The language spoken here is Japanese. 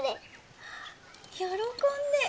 喜んで。